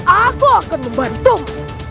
aku akan membantumu